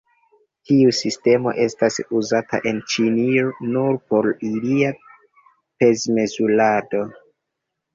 Tiu sistemo estas uzata en Ĉinio nur por ilia pez-mezurado.